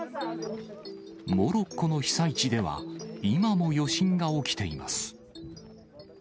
モロッコの被災地では今も余震が起きています。